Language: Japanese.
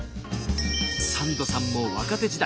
サンドさんも若手時代